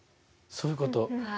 そういうこと。